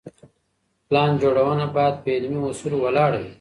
پلان جوړونه بايد په علمي اصولو ولاړه وي.